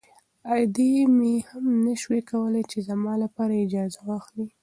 ادې مې هم نه شوای کولی چې زما لپاره اجازه واخلي.